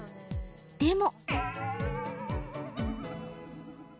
でも。